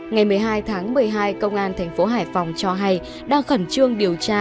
ngày một mươi hai tháng một mươi hai công an thành phố hải phòng cho hay đang khẩn trương điều tra